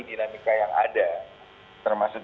dinamika yang ada termasuk